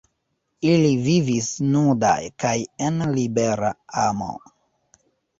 Ili vivis nudaj kaj en libera amo.